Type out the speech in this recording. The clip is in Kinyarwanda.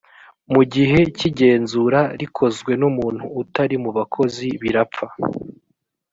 mu gihe cy ‘igenzura rikozwe n’umuntu utari mubakozi birapfa.